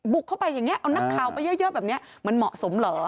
เข้าไปอย่างนี้เอานักข่าวไปเยอะแบบนี้มันเหมาะสมเหรอ